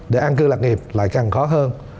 để an cư lạc nghiệp lại càng khó hơn